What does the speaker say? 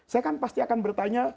saya kan pasti akan bertanya